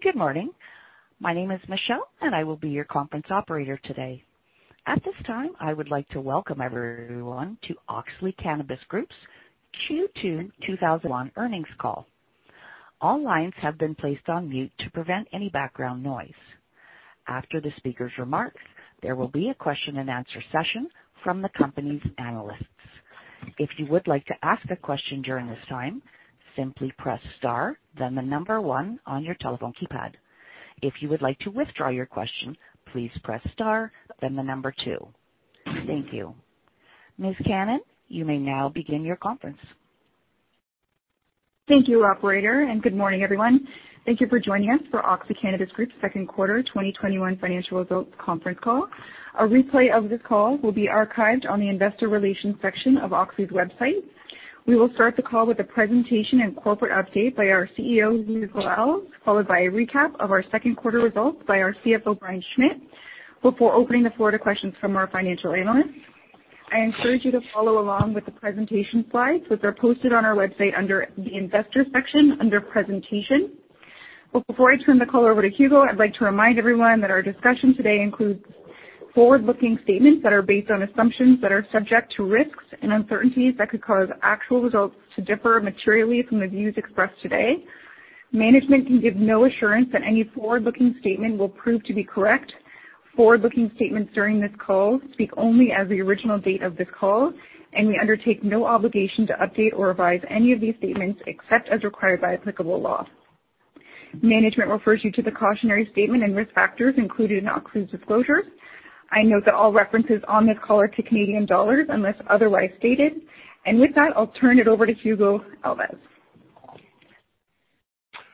Good morning. My name is Michelle, and I will be your conference operator today. At this time, I would like to welcome everyone to Auxly Cannabis Group's Q2 2021 earnings call. All lines have been placed on mute to prevent any background noise. After the speaker's remarks, there will be a question and answer session from the company's analysts. If you would like to ask a question during this time, simply press star, then the number one on your telephone keypad. If you would like to withdraw your question, please press star, then the number two. Thank you. Ms. Cannon, you may now begin your conference. Thank you, Operator. Good morning, everyone. Thank you for joining us for Auxly Cannabis Group's second quarter 2021 financial results conference call. A replay of this call will be archived on the investor relations section of Auxly's website. We will start the call with a presentation and corporate update by our CEO, Hugo Alves, followed by a recap of our second quarter results by our CFO, Brian Schmitt, before opening the floor to questions from our financial analysts. I encourage you to follow along with the presentation slides, which are posted on our website under the Investors section under Presentation. Before I turn the call over to Hugo, I'd like to remind everyone that our discussion today includes forward-looking statements that are based on assumptions that are subject to risks and uncertainties that could cause actual results to differ materially from the views expressed today. Management can give no assurance that any forward-looking statement will prove to be correct. Forward-looking statements during this call speak only as the original date of this call, and we undertake no obligation to update or revise any of these statements, except as required by applicable law. Management refers you to the cautionary statement and risk factors included in Auxly's disclosure. I note that all references on this call are to Canadian dollars unless otherwise stated. With that, I'll turn it over to Hugo Alves.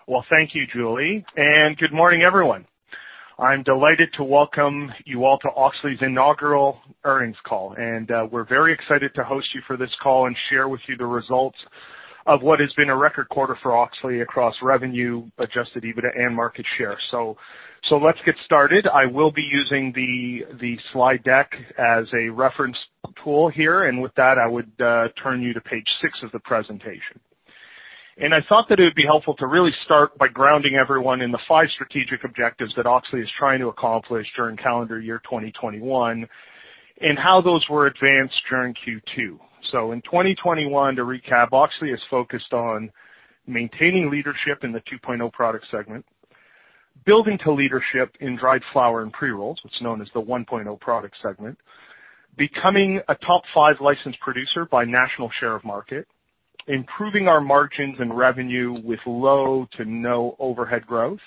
Well, thank you, Julie. Good morning, everyone. I am delighted to welcome you all to Auxly's inaugural earnings call, and we are very excited to host you for this call and share with you the results of what has been a record quarter for Auxly across revenue, adjusted EBITDA and market share. Let's get started. I will be using the slide deck as a reference tool here, and with that, I would turn you to page six of the presentation. I thought that it would be helpful to really start by grounding everyone in the five strategic objectives that Auxly is trying to accomplish during calendar year 2021, and how those were advanced during Q2. In 2021, to recap, Auxly is focused on maintaining leadership in the 2.0 Product segment, building to leadership in dried flower and pre-rolls, what's known as the 1.0 Product segment, becoming a top five licensed producer by national share of market, improving our margins and revenue with low to no overhead growth,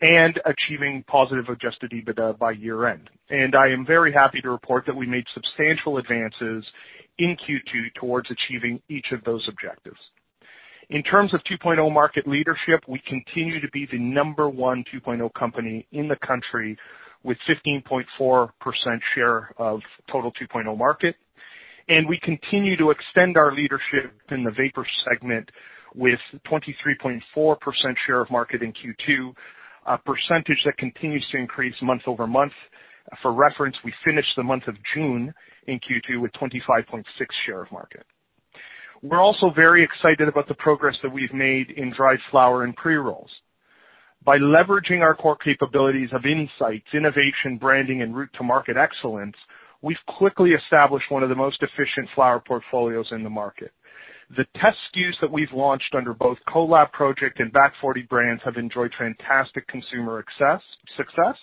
and achieving positive adjusted EBITDA by year-end. I am very happy to report that we made substantial advances in Q2 towards achieving each of those objectives. In terms of 2.0 Market Leadership, we continue to be the number one 2.0 company in the country with 15.4% share of total 2.0 market. We continue to extend our leadership in the Vapor segment with 23.4% share of market in Q2, a percentage that continues to increase month-over-month. For reference, we finished the month of June in Q2 with 25.6% share of market. We're also very excited about the progress that we've made in dried flower and pre-rolls. By leveraging our core capabilities of insights, innovation, branding, and route to market excellence, we've quickly established one of the most efficient flower portfolios in the market. The test SKUs that we've launched under both Kolab Project and Back Forty brands have enjoyed fantastic consumer success.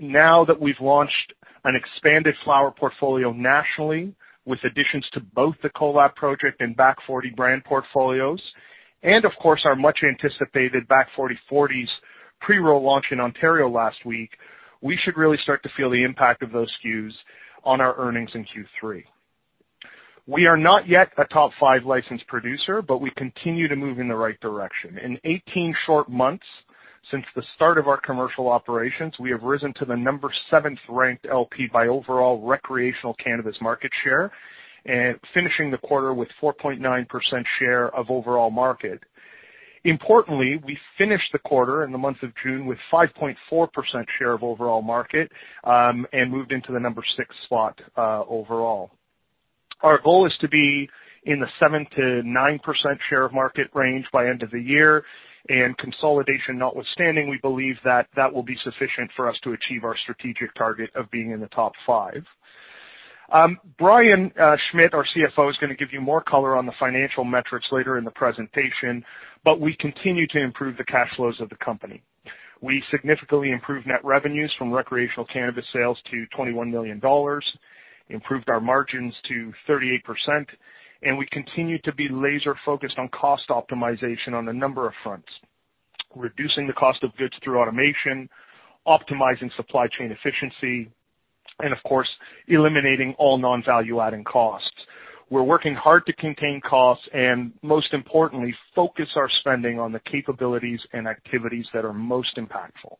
Now that we've launched an expanded flower portfolio nationally with additions to both the Kolab Project and Back Forty brand portfolios, and of course, our much anticipated Back Forty 40s pre-roll launch in Ontario last week, we should really start to feel the impact of those SKUs on our earnings in Q3. We are not yet a top five licensed producer, but we continue to move in the right direction. In 18 short months since the start of our commercial operations, we have risen to the number seventh-ranked LP by overall recreational cannabis market share and finishing the quarter with 4.9% share of overall market. Importantly, we finished the quarter in the month of June with 5.4% share of overall market, and moved into the number six slot overall. Our goal is to be in the 7%-9% share of market range by end of the year. Consolidation notwithstanding, we believe that that will be sufficient for us to achieve our strategic target of being in the top five. Brian Schmitt, our CFO, is going to give you more color on the financial metrics later in the presentation, but we continue to improve the cash flows of the company. We significantly improved net revenues from recreational cannabis sales to 21 million dollars, improved our margins to 38%, We continue to be laser focused on cost optimization on a number of fronts, reducing the cost of goods through automation, optimizing supply chain efficiency, and of course, eliminating all non-value-adding costs. We're working hard to contain costs and most importantly, focus our spending on the capabilities and activities that are most impactful.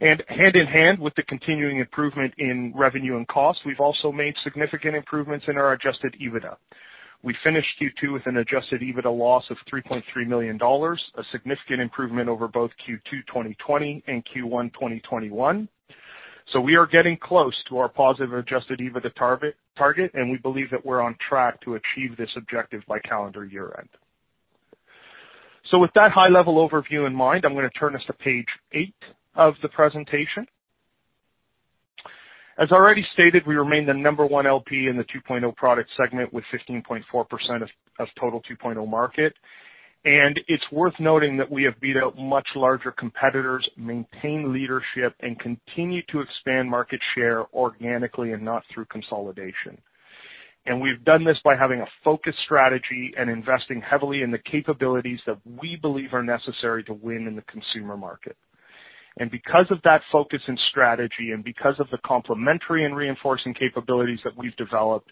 Hand in hand with the continuing improvement in revenue and cost, we've also made significant improvements in our adjusted EBITDA. We finished Q2 with an adjusted EBITDA loss of 3.3 million dollars, a significant improvement over both Q2 2020 and Q1 2021. We are getting close to our positive adjusted EBITDA target, and we believe that we're on track to achieve this objective by calendar year-end. With that high-level overview in mind, I am going to turn us to page eight of the presentation. As already stated, we remain the number one LP in the 2.0 Product segment with 15.4% of total 2.0 market, and it is worth noting that we have beat out much larger competitors, maintained leadership, and continue to expand market share organically and not through consolidation. We have done this by having a focused strategy and investing heavily in the capabilities that we believe are necessary to win in the consumer market. Because of that focus and strategy, and because of the complementary and reinforcing capabilities that we have developed,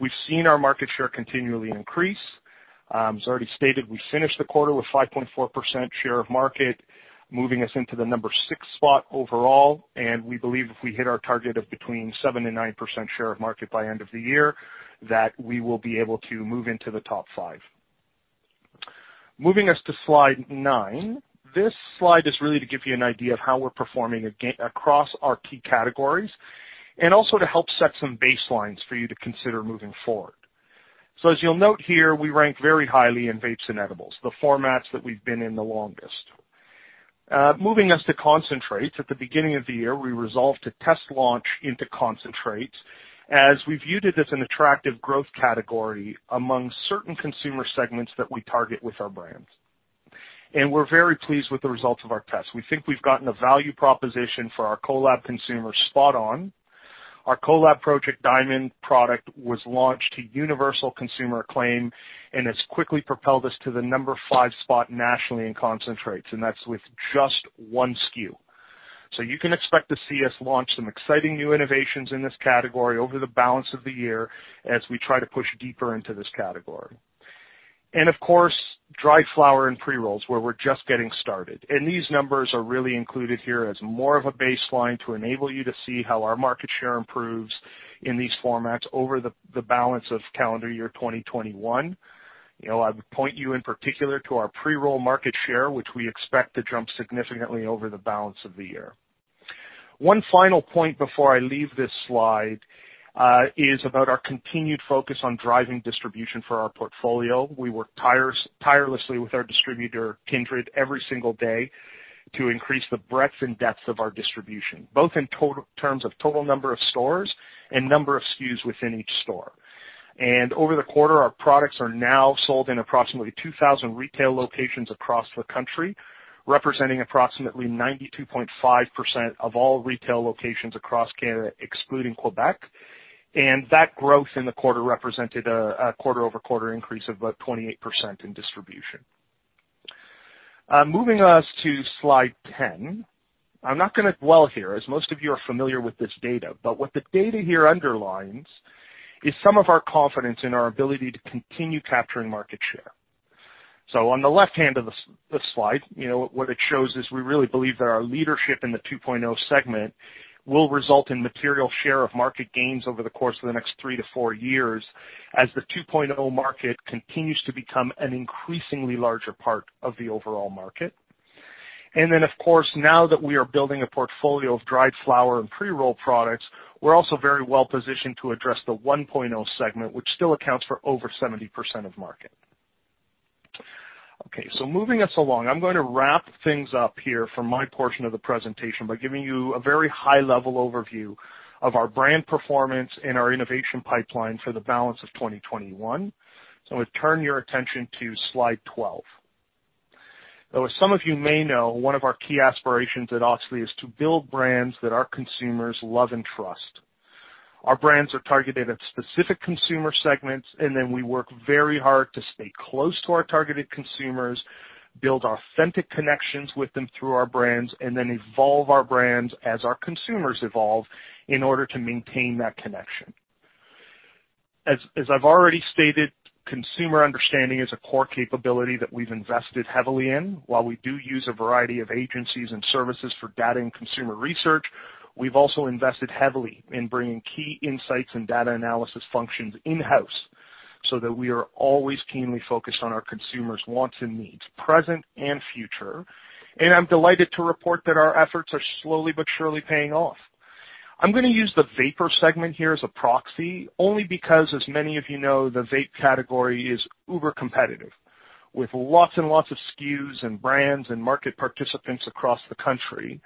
we have seen our market share continually increase. As already stated, we finished the quarter with 5.4% share of market, moving us into the number six spot overall, and we believe if we hit our target of between 7%-9% share of market by end of the year, that we will be able to move into the top five. Moving us to slide nine. This slide is really to give you an idea of how we're performing across our key categories, and also to help set some baselines for you to consider moving forward. As you'll note here, we rank very highly in vapes and edibles, the formats that we've been in the longest. Moving us to concentrates. At the beginning of the year, we resolved to test launch into concentrates as we viewed it as an attractive growth category among certain consumer segments that we target with our brands. We're very pleased with the results of our test. We think we've gotten a value proposition for our Kolab consumers spot on. Our Kolab Project Diamond product was launched to universal consumer acclaim and has quickly propelled us to the number five spot nationally in concentrates, that's with just one SKU. You can expect to see us launch some exciting new innovations in this category over the balance of the year as we try to push deeper into this category. Of course, dry flower and pre-rolls, where we're just getting started. These numbers are really included here as more of a baseline to enable you to see how our market share improves in these formats over the balance of calendar year 2021. I would point you in particular to our pre-roll market share, which we expect to jump significantly over the balance of the year. One final point before I leave this slide, is about our continued focus on driving distribution for our portfolio. We work tirelessly with our distributor, Kindred, every single day to increase the breadth and depth of our distribution, both in terms of total number of stores and number of SKUs within each store. Over the quarter, our products are now sold in approximately 2,000 retail locations across the country, representing approximately 92.5% of all retail locations across Canada, excluding Quebec. That growth in the quarter represented a quarter-over-quarter increase of about 28% in distribution. Moving us to slide 10. What the data here underlines is some of our confidence in our ability to continue capturing market share. On the left-hand of the slide, what it shows is we really believe that our leadership in the 2.0 segment will result in material share of market gains over the course of the next three to four years as the 2.0 market continues to become an increasingly larger part of the overall market. Of course, now that we are building a portfolio of dried flower and pre-roll products, we're also very well positioned to address the 1.0 segment, which still accounts for over 70% of market. Moving us along. I'm going to wrap things up here for my portion of the presentation by giving you a very high-level overview of our brand performance and our innovation pipeline for the balance of 2021. I would turn your attention to slide 12. Now, as some of you may know, one of our key aspirations at Auxly is to build brands that our consumers love and trust. Our brands are targeted at specific consumer segments, then we work very hard to stay close to our targeted consumers, build authentic connections with them through our brands, then evolve our brands as our consumers evolve in order to maintain that connection. As I've already stated, consumer understanding is a core capability that we've invested heavily in. While we do use a variety of agencies and services for data and consumer research, we've also invested heavily in bringing key insights and data analysis functions in-house so that we are always keenly focused on our consumers' wants and needs, present and future. I'm delighted to report that our efforts are slowly but surely paying off. I'm going to use the vapor segment here as a proxy, only because, as many of you know, the vape category is uber competitive with lots and lots of SKUs and brands and market participants across the country.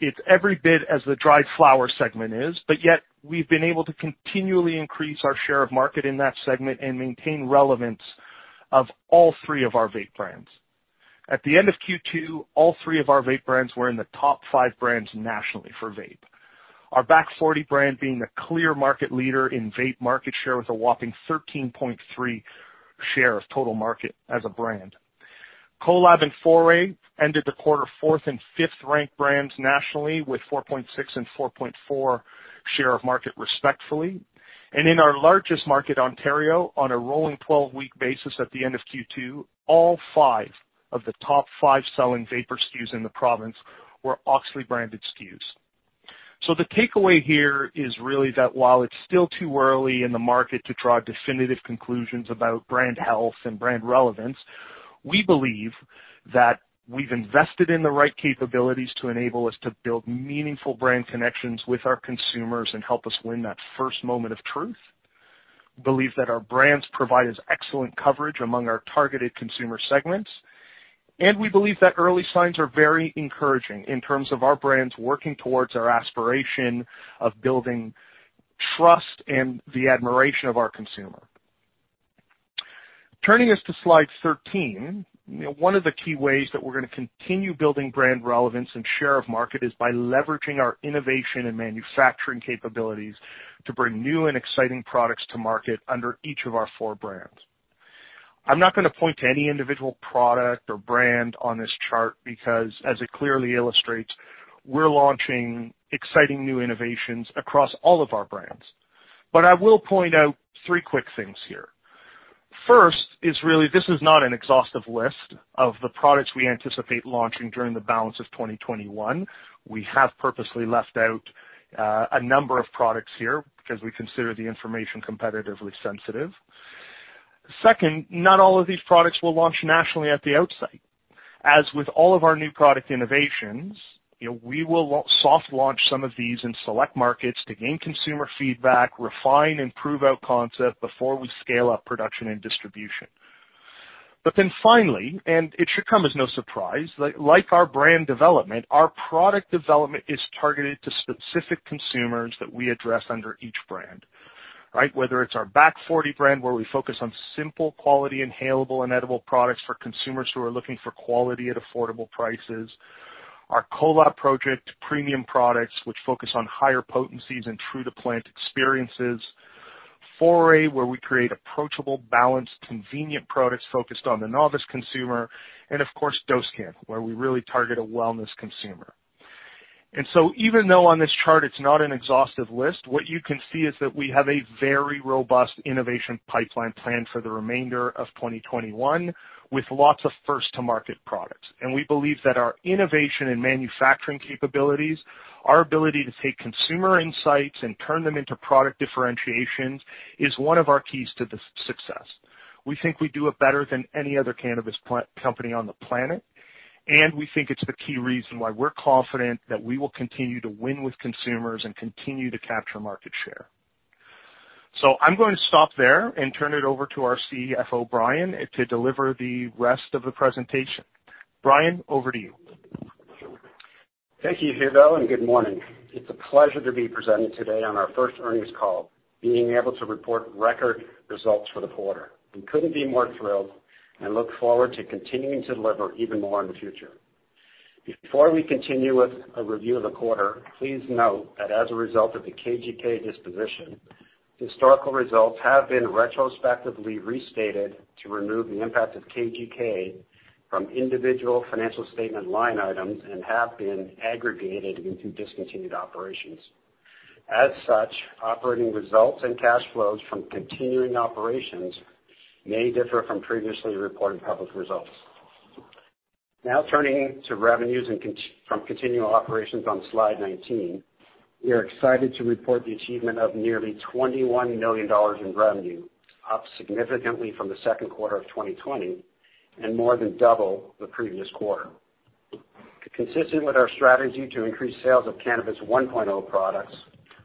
It's every bit as the dried flower segment is, but yet we've been able to continually increase our share of market in that segment and maintain relevance of all three of our vape brands. At the end of Q2, all three of our vape brands were in the top five brands nationally for vape. Our Back Forty brand being the clear market leader in vape market share with a whopping 13.3% share of total market as a brand. Kolab and Foray ended the quarter fourth and fifth ranked brands nationally with 4.6% and 4.4% share of market, respectfully. In our largest market, Ontario, on a rolling 12-week basis at the end of Q2, all five of the top five selling vapor SKUs in the province were Auxly-branded SKUs. The takeaway here is really that while it's still too early in the market to draw definitive conclusions about brand health and brand relevance. We believe that we've invested in the right capabilities to enable us to build meaningful brand connections with our consumers and help us win that first moment of truth. We believe that our brands provide us excellent coverage among our targeted consumer segments. We believe that early signs are very encouraging in terms of our brands working towards our aspiration of building trust and the admiration of our consumer. Turning us to slide 13. One of the key ways that we're going to continue building brand relevance and share of market is by leveraging our innovation and manufacturing capabilities to bring new and exciting products to market under each of our four brands. I'm not going to point to any individual product or brand on this chart because, as it clearly illustrates, we're launching exciting new innovations across all of our brands. I will point out three quick things here. First, is really this is not an exhaustive list of the products we anticipate launching during the balance of 2021. We have purposely left out a number of products here because we consider the information competitively sensitive. Second, not all of these products will launch nationally at the outset. As with all of our new product innovations, we will soft launch some of these in select markets to gain consumer feedback, refine, improve our concept before we scale up production and distribution. Finally, and it should come as no surprise, like our brand development, our product development is targeted to specific consumers that we address under each brand. Whether it's our Back Forty brand, where we focus on simple quality inhalable and edible products for consumers who are looking for quality at affordable prices. Our Kolab Project premium products, which focus on higher potencies and true-to-plant experiences. Foray, where we create approachable, balanced, convenient products focused on the novice consumer. Of course, Dosecann, where we really target a wellness consumer. Even though on this chart it's not an exhaustive list, what you can see is that we have a very robust innovation pipeline plan for the remainder of 2021, with lots of first-to-market products. We believe that our innovation and manufacturing capabilities, our ability to take consumer insights and turn them into product differentiations, is one of our keys to the success. We think we do it better than any other cannabis company on the planet, and we think it's the key reason why we're confident that we will continue to win with consumers and continue to capture market share. I'm going to stop there and turn it over to our CFO, Brian, to deliver the rest of the presentation. Brian, over to you. Thank you, Hugo, and good morning. It's a pleasure to be presenting today on our first earnings call, being able to report record results for the quarter. We couldn't be more thrilled and look forward to continuing to deliver even more in the future. Before we continue with a review of the quarter, please note that as a result of the KGK disposition, historical results have been retrospectively restated to remove the impact of KGK from individual financial statement line items and have been aggregated into discontinued operations. As such, operating results and cash flows from continuing operations may differ from previously reported public results. Turning to revenues from continuing operations on slide 19. We are excited to report the achievement of nearly 21 million dollars in revenue, up significantly from the second quarter of 2020 and more than double the previous quarter. Consistent with our strategy to increase sales of Cannabis 1.0 products,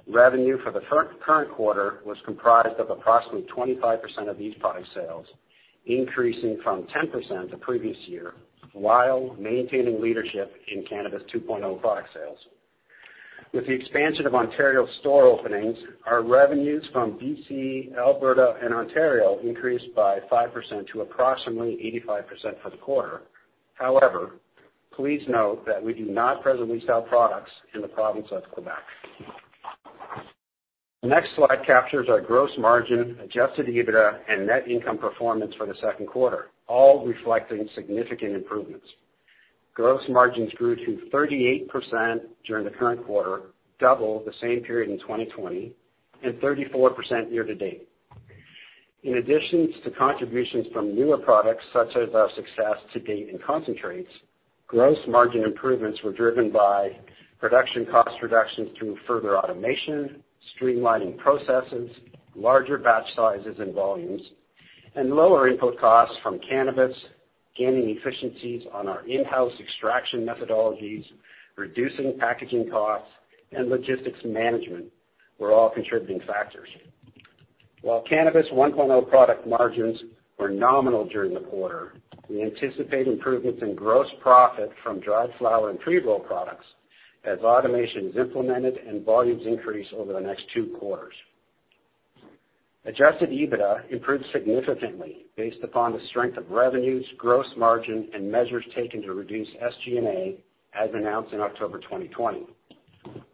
revenue for the current quarter was comprised of approximately 25% of these product sales, increasing from 10% the previous year, while maintaining leadership in Cannabis 2.0 product sales. With the expansion of Ontario store openings, our revenues from BC, Alberta, and Ontario increased by 5% to approximately 85% for the quarter. However, please note that we do not presently sell products in the province of Quebec. The next slide captures our gross margin, adjusted EBITDA, and net income performance for the second quarter, all reflecting significant improvements. Gross margins grew to 38% during the current quarter, double the same period in 2020, and 34% year-to-date. In addition to contributions from newer products such as our success to date in concentrates, gross margin improvements were driven by production cost reductions through further automation, streamlining processes, larger batch sizes and volumes, and lower input costs from cannabis, gaining efficiencies on our in-house extraction methodologies, reducing packaging costs, and logistics management were all contributing factors. While Cannabis 1.0 product margins were nominal during the quarter, we anticipate improvements in gross profit from dried flower and pre-roll products as automation is implemented and volumes increase over the next two quarters. Adjusted EBITDA improved significantly based upon the strength of revenues, gross margin, and measures taken to reduce SG&A as announced in October 2020.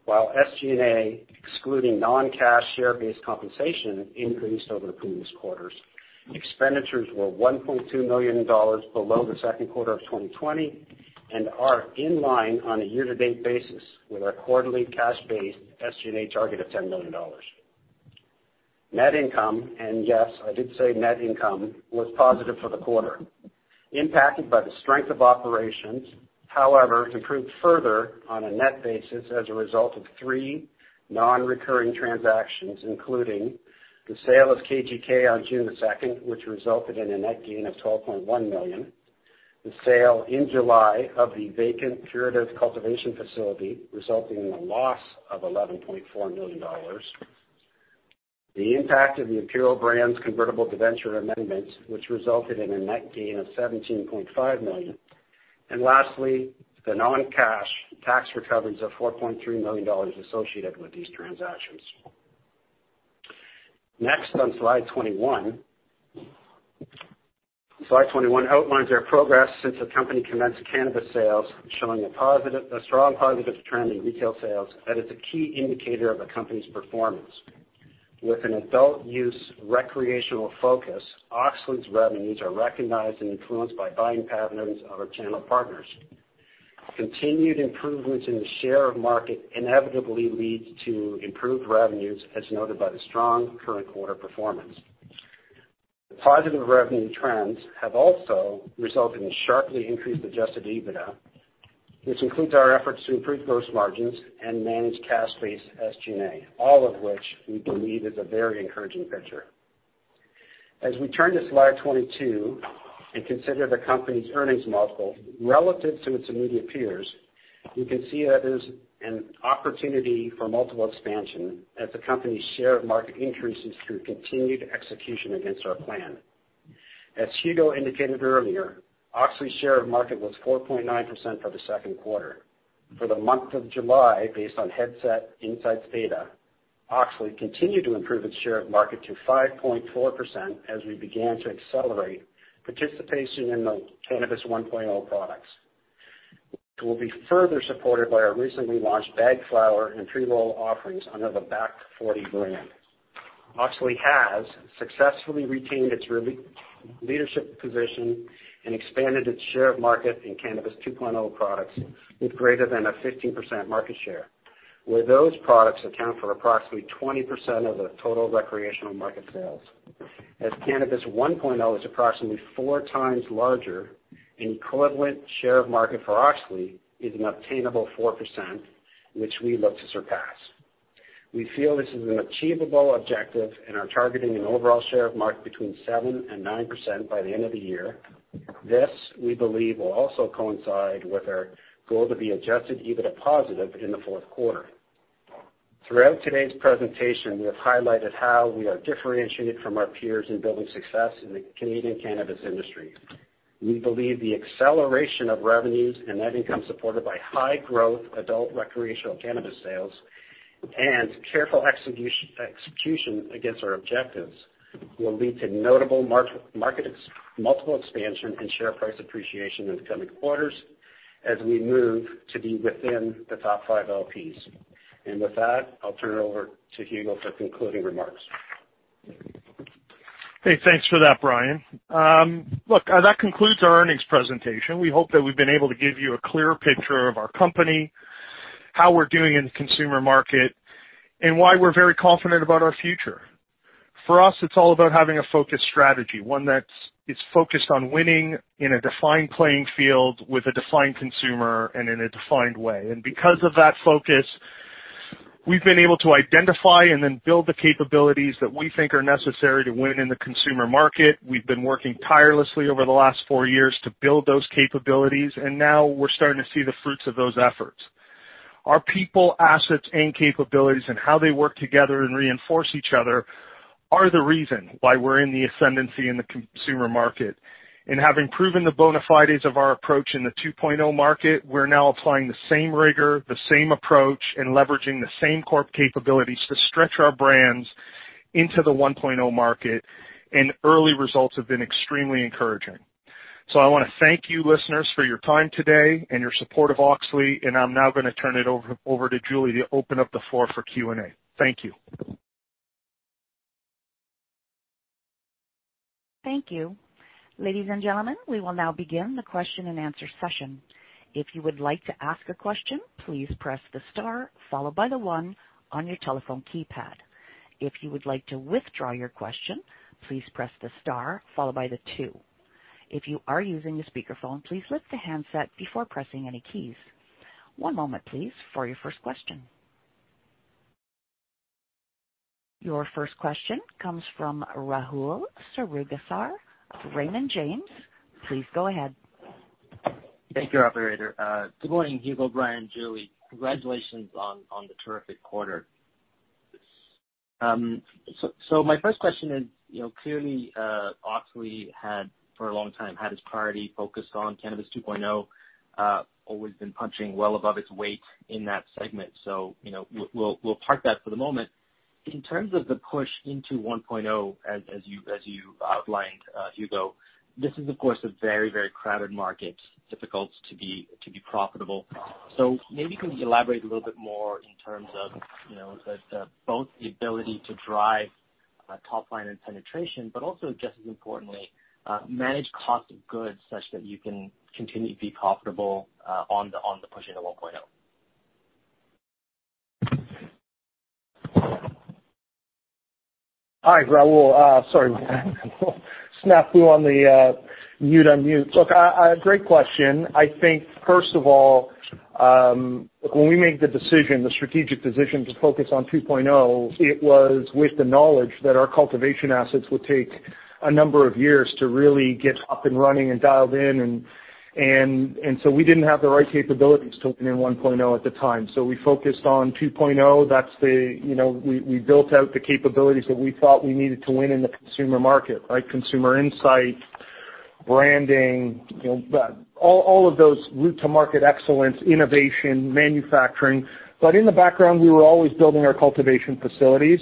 While SG&A, excluding non-cash share-based compensation, increased over the previous quarters, expenditures were 1.2 million dollars below the second quarter of 2020 and are in line on a year-to-date basis with our quarterly cash-based SG&A target of 10 million dollars. Net income, and yes, I did say net income, was positive for the quarter, impacted by the strength of operations. However, improved further on a net basis as a result of three non-recurring transactions, including the sale of KGK on June 2nd, which resulted in a net gain of 12.1 million, the sale in July of the vacant Curative cultivation facility, resulting in a loss of 11.4 million dollars. The impact of the Imperial Brands convertible debenture amendments, which resulted in a net gain of CAD 17.5 million, and lastly, the non-cash tax recoveries of CAD 4.3 million associated with these transactions. Next, on slide 21. Slide 21 outlines our progress since the company commenced cannabis sales, showing a strong positive trend in retail sales that is a key indicator of the company's performance. With an adult use recreational focus, Auxly's revenues are recognized and influenced by buying patterns of our channel partners. Continued improvements in the share of market inevitably leads to improved revenues, as noted by the strong current quarter performance. The positive revenue trends have also resulted in sharply increased adjusted EBITDA, which includes our efforts to improve gross margins and manage cash-based SG&A, all of which we believe is a very encouraging picture. As we turn to slide 22 and consider the company's earnings multiple relative to its immediate peers, we can see that there's an opportunity for multiple expansion as the company's share of market increases through continued execution against our plan. As Hugo indicated earlier, Auxly's share of market was 4.9% for the second quarter. For the month of July, based on Headset Insights data, Auxly continued to improve its share of market to 5.4% as we began to accelerate participation in the Cannabis 1.0 products, which will be further supported by our recently launched bag flower and pre-roll offerings under the Back Forty brand. Auxly has successfully retained its leadership position and expanded its share of market in Cannabis 2.0 products with greater than a 15% market share, where those products account for approximately 20% of the total recreational market sales. Cannabis 1.0 is approximately four times larger, an equivalent share of market for Auxly is an obtainable 4%, which we look to surpass. We feel this is an achievable objective and are targeting an overall share of market between 7% and 9% by the end of the year. This, we believe, will also coincide with our goal to be adjusted EBITDA positive in the fourth quarter. Throughout today's presentation, we have highlighted how we are differentiated from our peers in building success in the Canadian cannabis industry. We believe the acceleration of revenues and net income supported by high growth adult recreational cannabis sales and careful execution against our objectives will lead to notable market multiple expansion and share price appreciation in the coming quarters as we move to be within the top five LPs. With that, I'll turn it over to Hugo for concluding remarks. Hey, thanks for that, Brian. Look, that concludes our earnings presentation. We hope that we've been able to give you a clear picture of our company, how we're doing in the consumer market? and why we're very confident about our future. For us, it's all about having a focused strategy, one that is focused on winning in a defined playing field with a defined consumer and in a defined way. Because of that focus, we've been able to identify and then build the capabilities that we think are necessary to win in the consumer market. We've been working tirelessly over the last four years to build those capabilities, and now we're starting to see the fruits of those efforts. Our people, assets, and capabilities and how they work together and reinforce each other are the reason why we're in the ascendancy in the consumer market. Having proven the bona fides of our approach in the 2.0 market, we're now applying the same rigor, the same approach, and leveraging the same core capabilities to stretch our brands into the 1.0 market, and early results have been extremely encouraging. I want to thank you listeners for your time today and your support of Auxly, and I'm now going to turn it over to Julie to open up the floor for Q&A. Thank you. Thank you. Ladies and gentlemen, we will now begin the question and answer session. One moment, please, for your first question. Your first question comes from Rahul Sarugaser of Raymond James. Please go ahead. Thank you, Operator. Good morning, Hugo, Brian, Julie. Congratulations on the terrific quarter. My first question is, clearly Auxly had, for a long time, had its priority focused on Cannabis 2.0, always been punching well above its weight in that segment. We'll park that for the moment. In terms of the push into 1.0, as you've outlined, Hugo, this is of course a very crowded market, difficult to be profitable. Maybe can you elaborate a little bit more in terms of both the ability to drive top line and penetration, but also just as importantly, manage cost of goods such that you can continue to be profitable on the push into 1.0? Hi, Rahul. Sorry about that. Snafu on the mute/unmute. Great question. I think, first of all, when we make the decision, the strategic decision, to focus on 2.0, it was with the knowledge that our cultivation assets would take a number of years to really get up and running and dialed in. We didn't have the right capabilities to win in 1.0 at the time, so we focused on 2.0. We built out the capabilities that we thought we needed to win in the consumer market, right? Consumer insight, branding, all of those route to market excellence, innovation, manufacturing. In the background, we were always building our cultivation facilities.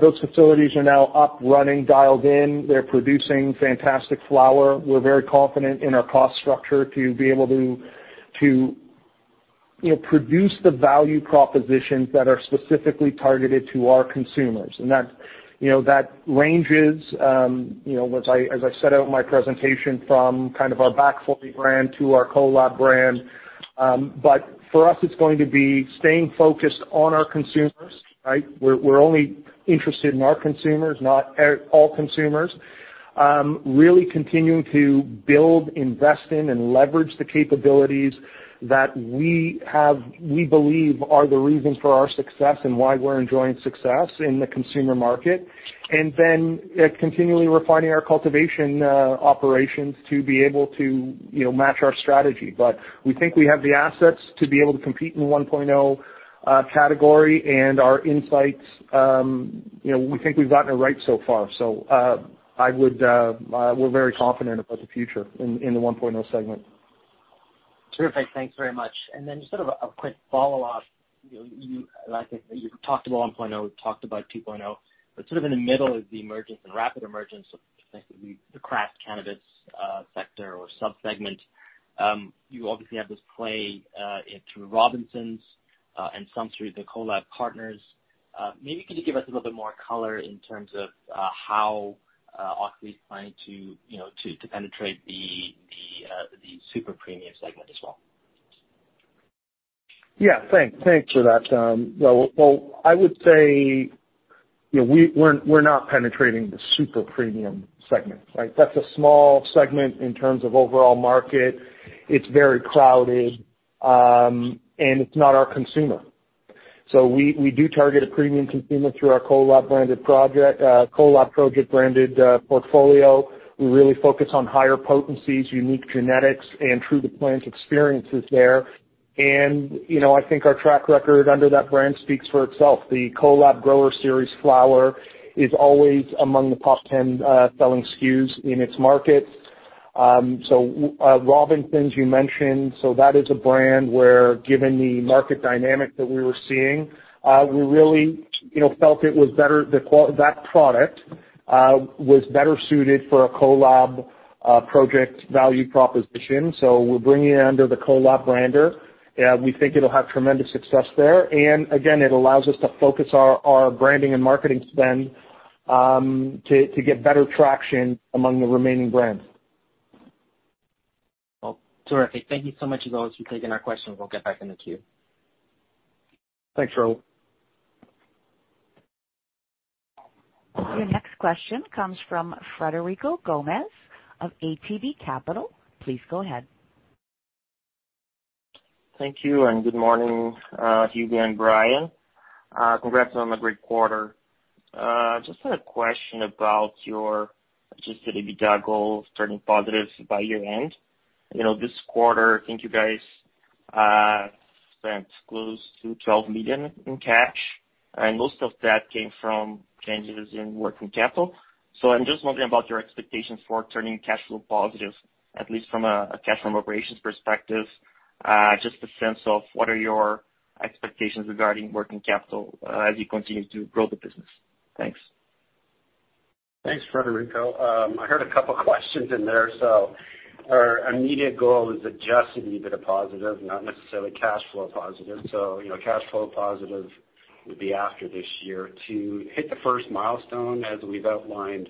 Those facilities are now up, running, dialed in. They're producing fantastic flower. We're very confident in our cost structure to be able to produce the value propositions that are specifically targeted to our consumers. That ranges, as I set out in my presentation, from kind of our Back Forty brand to our Kolab brand. For us, it's going to be staying focused on our consumers, right? We're only interested in our consumers, not all consumers. Really continuing to build, invest in, and leverage the capabilities that we believe are the reason for our success and why we're enjoying success in the consumer market. Then continually refining our cultivation operations to be able to match our strategy. We think we have the assets to be able to compete in the 1.0 category, and our insights, we think we've gotten it right so far. We're very confident about the future in the 1.0 segment. Terrific. Thanks very much. Then just sort of a quick follow up. You talked about 1.0, talked about 2.0, sort of in the middle is the emergence and rapid emergence of the craft cannabis sector or sub-segment. You obviously have this play through Robinsons and some through the Kolab partners. Maybe can you give us a little bit more color in terms of how Auxly is planning to penetrate the Super Premium segment as well? Thanks for that. Well, I would say we're not penetrating the Super Premium segment, right? That's a small segment in terms of overall market. It's very crowded. It's not our consumer. We do target a premium consumer through our Kolab Project branded portfolio. We really focus on higher potencies, unique genetics, and true-to-plants experiences there. I think our track record under that brand speaks for itself. The Kolab Grower Series flower is always among the top 10 selling SKUs in its market. Robinsons, you mentioned, that is a brand where, given the market dynamic that we were seeing, we really felt that product was better suited for a Kolab Project value proposition. We're bringing it under the Kolab brand, and we think it'll have tremendous success there. Again, it allows us to focus our branding and marketing spend to get better traction among the remaining brands. Terrific. Thank you so much, Hugo, for taking our questions. We'll get back in the queue. Thanks, Rahul. Your next question comes from Frederico Gomes of ATB Capital. Please go ahead. Thank you, and good morning, Hugo and Brian. Congrats on a great quarter. Just had a question about your adjusted EBITDA goal turning positive by year-end. This quarter, I think you guys spent close to 12 million in cash, and most of that came from changes in working capital. I'm just wondering about your expectations for turning cash flow positive, at least from a cash from operations perspective. Just a sense of what are your expectations regarding working capital as you continue to grow the business? Thanks. Thanks, Frederico. I heard a couple questions in there. Our immediate goal is adjusted EBITDA positive, not necessarily cash flow positive. Cash flow positive would be after this year. To hit the first milestone, as we've outlined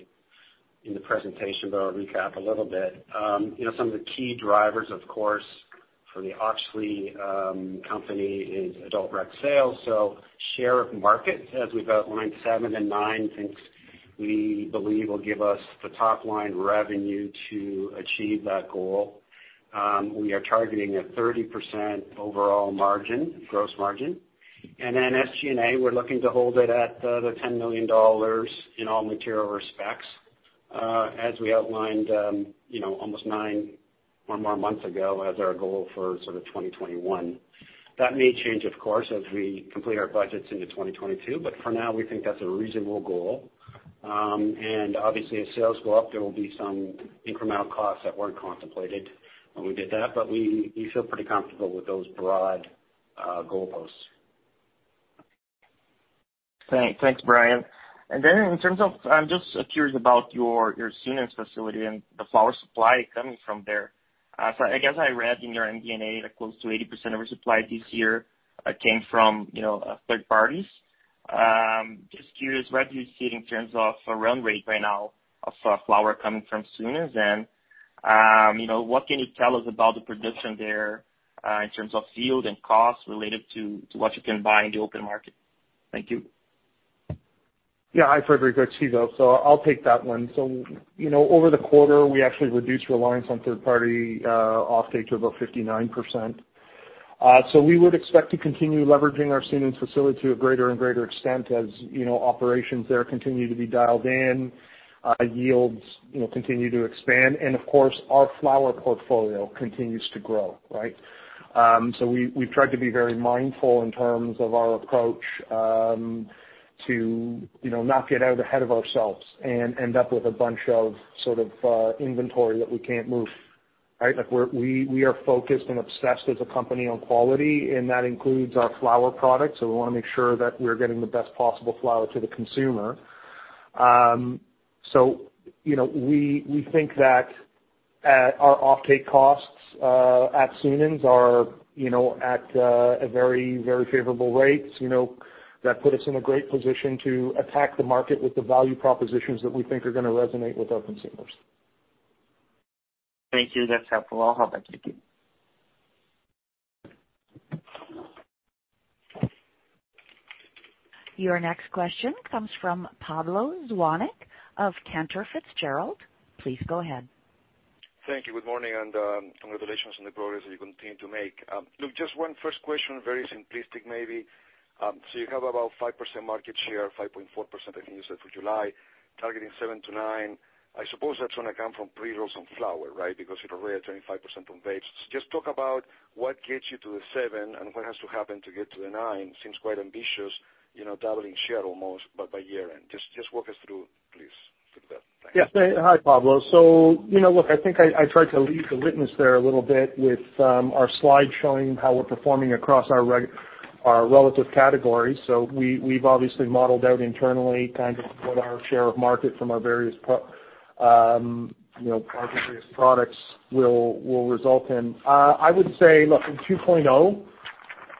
in the presentation, but I'll recap a little bit. Some of the key drivers, of course, for the Auxly company is adult rec sales. Share of market, as we've outlined, seven and nine, thinks we believe will give us the top-line revenue to achieve that goal. We are targeting a 30% overall margin, gross margin. SG&A, we're looking to hold it at the 10 million dollars in all material respects, as we outlined almost nine or more months ago as our goal for sort of 2021. That may change, of course, as we complete our budgets into 2022. For now, we think that's a reasonable goal. Obviously, as sales go up, there will be some incremental costs that weren't contemplated when we did that, but we feel pretty comfortable with those broad goalposts. Thanks, Brian. I'm just curious about your Sunens facility and the flower supply coming from there. I guess I read in your MD&A that close to 80% of your supply this year came from third parties. Just curious, where do you see it in terms of a run rate right now of flower coming from Sunens? What can you tell us about the production there, in terms of yield and cost related to what you can buy in the open market? Thank you. Hi, Frederico. I'll take that one. Over the quarter, we actually reduced reliance on third party offtake to about 59%. We would expect to continue leveraging our Sunens facility to a greater and greater extent. As operations there continue to be dialed in, yields continue to expand and, of course, our flower portfolio continues to grow. Right? We've tried to be very mindful in terms of our approach, to not get out ahead of ourselves and end up with a bunch of inventory that we can't move. Right? We are focused and obsessed as a company on quality, and that includes our flower products. We want to make sure that we're getting the best possible flower to the consumer. We think that our offtake costs at Sunens are at a very favorable rate that put us in a great position to attack the market with the value propositions that we think are going to resonate with our consumers. Thank you. That's helpful. I'll hop back to the queue. Your next question comes from Pablo Zuanic of Cantor Fitzgerald. Please go ahead. Thank you. Good morning, congratulations on the progress that you continue to make. Look, just one-first question, very simplistic maybe. You have about 5% market share, 5.4% I think you said for July, targeting 7%-9%. I suppose that's going to come from pre-rolls and flower, right? You've already had 25% from vapes. Just talk about what gets you to the 7% and what has to happen to get to the 9%? Seems quite ambitious, doubling share almost, but by year-end. Just walk us through, please. Thanks. Yeah. Hi, Pablo. Look, I think I tried to lead the witness there a little bit with our slide showing how we're performing across our relative categories. We've obviously modeled out internally kind of what our share of market from our various products will result in. I would say, look, in Cannabis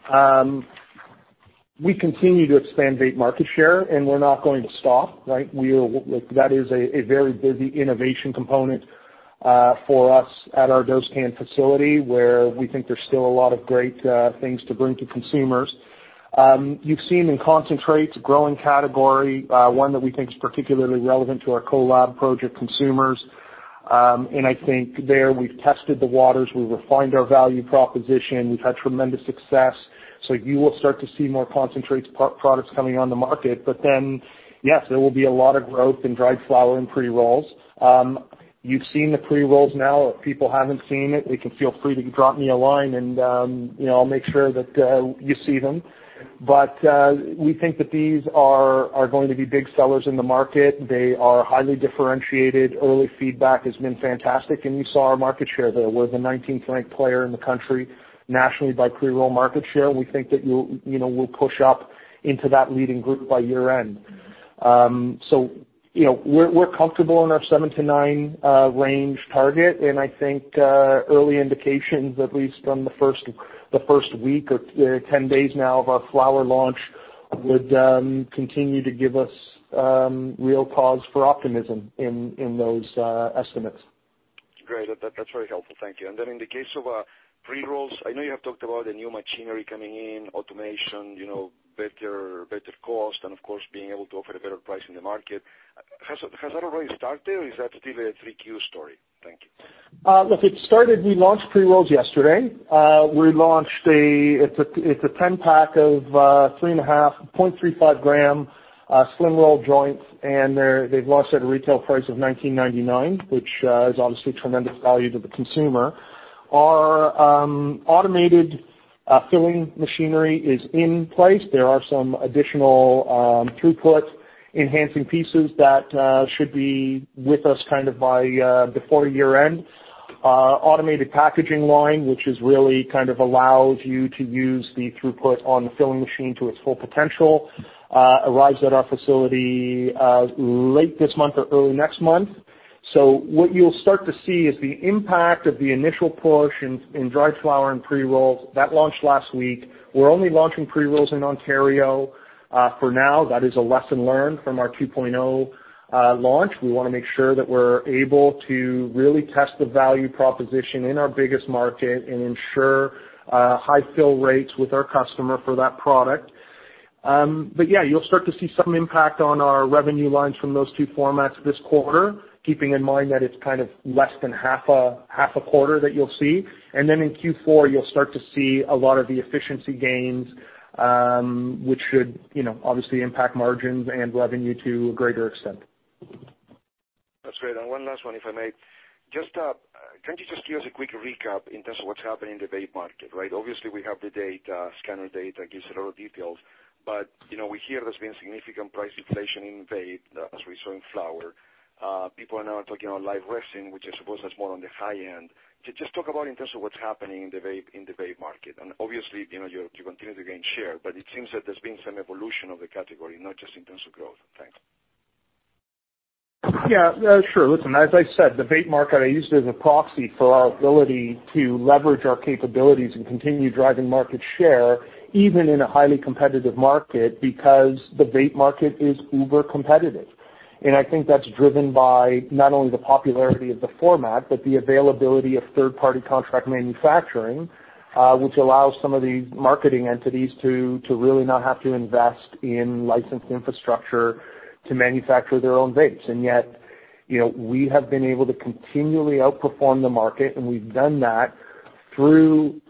2.0, we continue to expand vape market share, and we're not going to stop, right? That is a very busy innovation component for us at our Dosecann facility, where we think there's still a lot of great things to bring to consumers. You've seen in concentrates, a growing category, one that we think is particularly relevant to our Kolab Project consumers. I think there we've tested the waters, we refined our value proposition. We've had tremendous success. You will start to see more concentrates products coming on the market. Yes, there will be a lot of growth in dried flower and pre-rolls. You've seen the pre-rolls now. If people haven't seen it, they can feel free to drop me a line and I'll make sure that you see them. We think that these are going to be big sellers in the market. They are highly differentiated. Early feedback has been fantastic, and you saw our market share there. We're the 19th ranked player in the country nationally by pre-roll market share, and we think that we'll push up into that leading group by year-end. We're comfortable in our 7%-9% range target, and I think early indications, at least from the first week or 10 days now of our flower launch, would continue to give us real cause for optimism in those estimates. Great. That is very helpful. Thank you. In the case of pre-rolls, I know you have talked about the new machinery coming in, automation, better cost and, of course, being able to offer a better price in the market. Has that already started or is that still a 3Q story? Thank you. Look, it started, we launched pre-rolls yesterday. We launched a 10-pack of 3.5 g slim roll joints, They've launched at a retail price of 19.99, which is obviously tremendous value to the consumer. Our automated filling machinery is in place. There are some additional throughput enhancing pieces that should be with us kind of by before year-end. Automated packaging line, which really kind of allows you to use the throughput on the filling machine to its full potential, arrives at our facility late this month or early next month. What you'll start to see is the impact of the initial push in dried flower and pre-rolls. That launched last week. We're only launching pre-rolls in Ontario for now. That is a lesson learned from our 2.0 launch. We want to make sure that we're able to really test the value proposition in our biggest market and ensure high fill rates with our customer for that product. Yeah, you'll start to see some impact on our revenue lines from those two formats this quarter, keeping in mind that it's kind of less than half a quarter that you'll see. In Q4, you'll start to see a lot of the efficiency gains, which should obviously impact margins and revenue to a greater extent. That's great. One last one, if I may. Can you just give us a quick recap in terms of what's happening in the vape market, right? Obviously, we have the data, scanner data gives a lot of details, but we hear there's been significant price inflation in vape as we saw in flower. People are now talking about live resin, which I suppose is more on the high end. Just talk about in terms of what's happening in the vape market. Obviously, you continue to gain share, but it seems that there's been some evolution of the category, not just in terms of growth? Thanks. Yeah, sure. Listen, as I said, the vape market, I used it as a proxy for our ability to leverage our capabilities and continue driving market share even in a highly competitive market, because the vape market is uber competitive. I think that's driven by not only the popularity of the format, but the availability of third-party contract manufacturing, which allows some of the marketing entities to really not have to invest in licensed infrastructure to manufacture their own vapes. Yet, we have been able to continually outperform the market, and we've done that through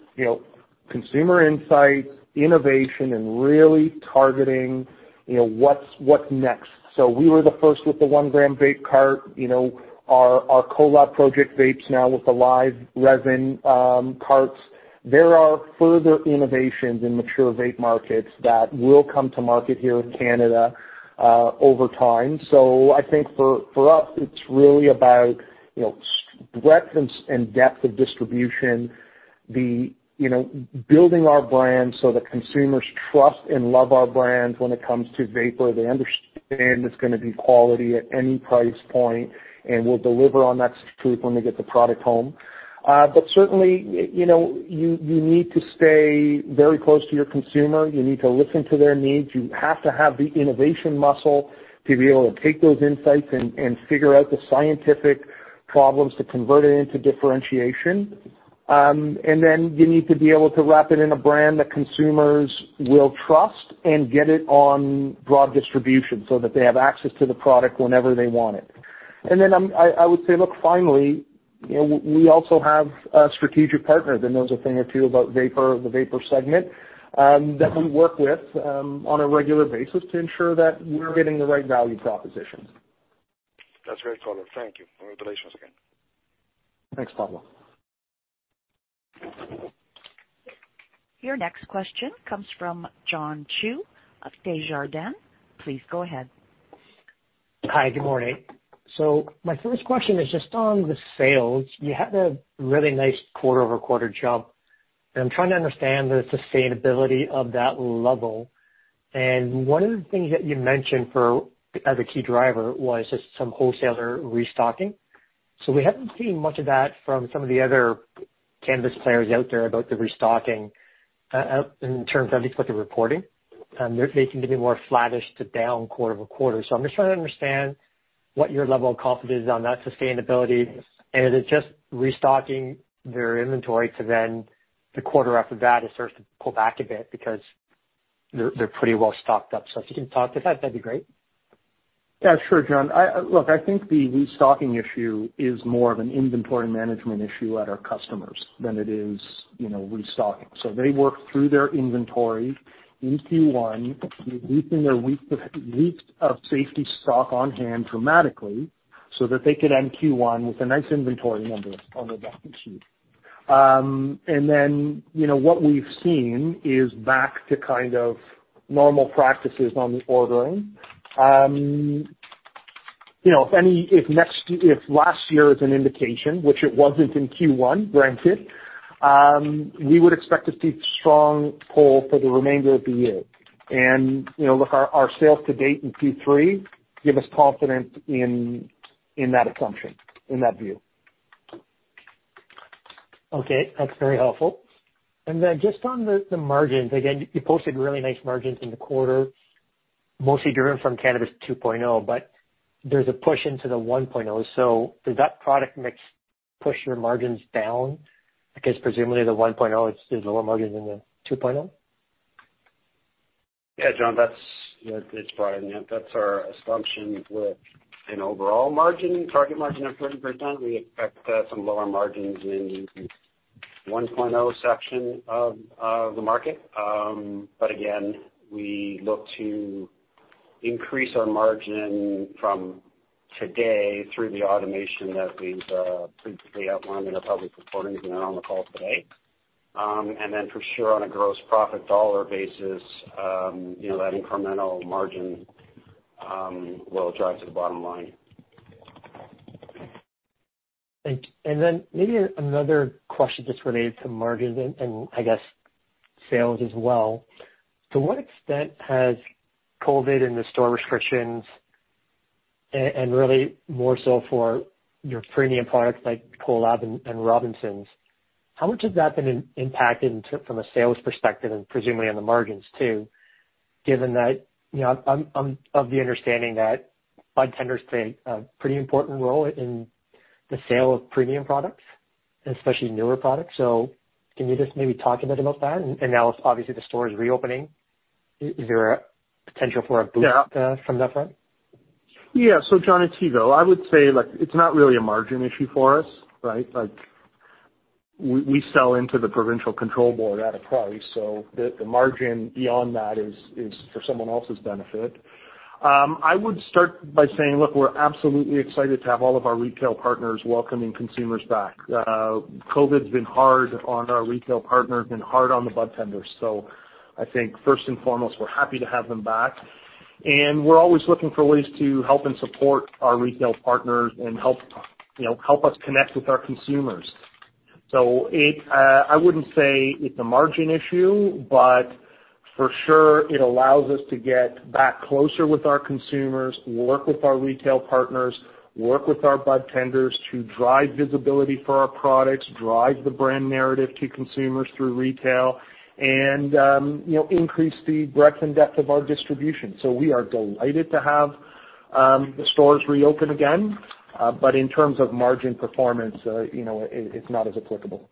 consumer insights, innovation, and really targeting what's next. We were the first with the 1 g vape cart, our Kolab Project vapes now with the live resin carts. There are further innovations in mature vape markets that will come to market here in Canada over time. I think for us, it's really about breadth and depth of distribution, building our brand so that consumers trust and love our brand when it comes to vapor. They understand it's going to be quality at any price point, and we'll deliver on that truth when they get the product home. Certainly, you need to stay very close to your consumer. You need to listen to their needs. You have to have the innovation muscle to be able to take those insights and figure out the scientific problems to convert it into differentiation, you need to be able to wrap it in a brand that consumers will trust and get it on broad distribution so that they have access to the product whenever they want it. I would say, look, finally, we also have strategic partners, that knows a thing or two about the vapor segment, that we work with on a regular basis to ensure that we're getting the right value propositions. That's great color. Thank you. Congratulations again. Thanks, Pablo. Your next question comes from John Chu of Desjardins. Please go ahead. Hi. Good morning. My first question is just on the sales. You had a really nice quarter-over-quarter jump, and I'm trying to understand the sustainability of that level. One of the things that you mentioned as a key driver was just some wholesaler restocking. We haven't seen much of that from some of the other cannabis players out there about the restocking, in terms of at least what they're reporting. They seem to be more flattish to down quarter-over-quarter. I'm just trying to understand what your level of confidence is on that sustainability. Is it just restocking their inventory to then the quarter after that it starts to pull back a bit because they're pretty well stocked up. If you can talk to that'd be great? Yeah, sure, John. Look, I think the restocking issue is more of an inventory management issue at our customers than it is restocking. They work through their inventory in Q1, they're depleting their weeks of safety stock on hand dramatically so that they could end Q1 with a nice inventory number on their balance sheet. Then, what we've seen is back to kind of normal practices on the ordering. If last year is an indication, which it wasn't in Q1, granted, we would expect to see strong pull for the remainder of the year. Look, our sales to date in Q3 give us confidence in that assumption, in that view. Okay, that's very helpful. Just on the margins, again, you posted really nice margins in the quarter, mostly driven from Cannabis 2.0, but there's a push into the 1.0, so does that product mix push your margins down? Presumably the 1.0 is a lower margin than the 2.0? Yeah, John, it's Brian. Yeah, that's our assumption with an overall margin, target margin of 30%. We expect some lower margins in the 1.0 section of the market. Again, we look to increase our margin from today through the automation that we've previously outlined in our public reporting and on the call today. For sure on a gross profit dollar basis, that incremental margin will drive to the bottom line. Thank you. Then maybe another question just related to margins and I guess sales as well. To what extent has COVID and the store restrictions, and really more so for your premium products like Kolab and Robinsons, how much has that been impacted from a sales perspective and presumably on the margins too, given that I'm of the understanding that budtenders play a pretty important role in the sale of premium products, and especially newer products. Can you just maybe talk a bit about that? Now obviously the store is reopening. Is there a potential for a boost from that front? John, it's Hugo. I would say, look, it's not really a margin issue for us, right? We sell into the provincial control board at a price, the margin beyond that is for someone else's benefit. I would start by saying, look, we're absolutely excited to have all of our retail partners welcoming consumers back. COVID's been hard on our retail partners, been hard on the budtenders. I think first and foremost, we're happy to have them back. We're always looking for ways to help and support our retail partners and help us connect with our consumers. I wouldn't say it's a margin issue, but for sure it allows us to get back closer with our consumers, work with our retail partners, work with our budtenders to drive visibility for our products, drive the brand narrative to consumers through retail and increase the breadth and depth of our distribution. We are delighted to have the stores reopen again. In terms of margin performance, it's not as applicable.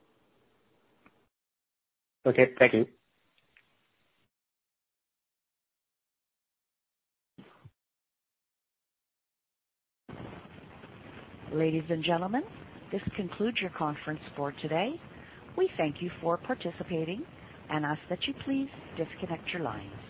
Okay. Thank you. Ladies and gentlemen, this concludes your conference for today. We thank you for participating and ask that you please disconnect your lines.